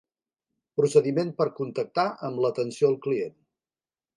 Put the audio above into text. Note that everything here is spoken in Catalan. Procediment per contactar amb l'atenció al client.